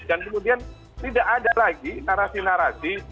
dan kemudian tidak ada lagi narasi narasi